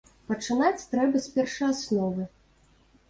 Пачынаць трэба з першаасновы.